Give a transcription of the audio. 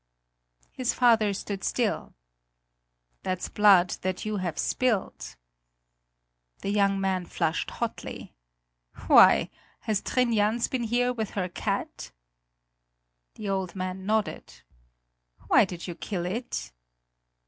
His father stood still. "That's blood that you have spilled!" The young man flushed hotly. "Why, has Trin Jans been here with her cat?" The old man nodded: "Why did you kill it?"